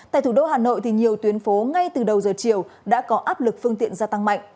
tại thủ đô hà nội nhiều tuyến phố ngay từ đầu giờ chiều đã có áp lực phương tiện gia tăng mạnh